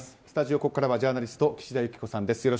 スタジオ、ここからはジャーナリストの岸田雪子さんです。